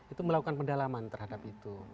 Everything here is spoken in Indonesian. itu melakukan pendalaman terhadap itu